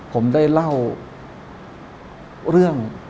ผมได้เล่าเรื่อง